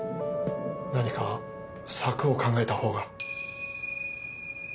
何か策を考えたほうが。